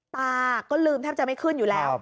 ตาก็ลืมแทบจะไม่ขึ้นอยู่แล้ว